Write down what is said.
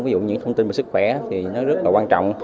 ví dụ như những cái thông tin về sức khỏe thì nó rất là quan trọng